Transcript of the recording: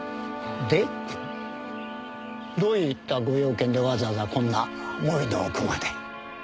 でどういったご用件でわざわざこんな森の奥まで？